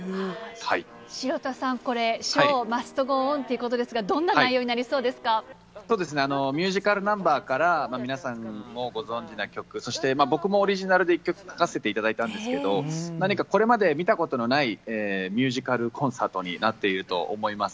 城田さん、これ、ショー・マスト・ゴー・オンということで、どんな内容になりそうそうですね、ミュージカルナンバーから皆さんもご存じな曲、僕もオリジナルで書かせていただいたんですけど、何かこれまで見たことのないミュージカルコンサートになっていると思います。